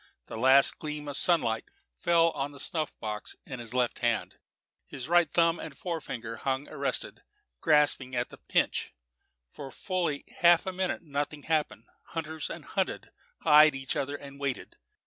A last gleam of sunlight fell on the snuff box in his left hand; his right thumb and fore finger hung arrested, grasping the pinch. For fully half a minute nothing happened; hunters and hunted eyed each other and waited.